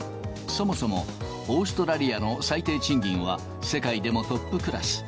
そもそもオーストラリアの最低賃金は、世界でもトップクラス。